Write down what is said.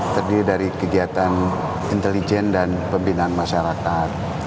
terdiri dari kegiatan intelijen dan pembinaan masyarakat